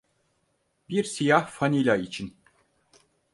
Bir Siyah Fanila İçin.